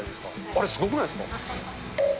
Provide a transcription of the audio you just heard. あれ、すごくないですか？